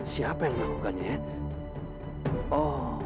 siapa yang melakukannya